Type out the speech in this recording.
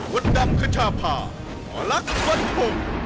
วัดดำคชาพาหลักวันพงษ์